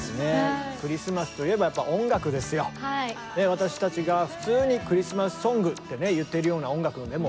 私たちが普通にクリスマスソングってね言っているような音楽でもですね